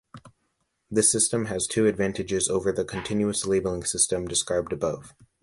This system has two advantages over the continuous labeling system described above.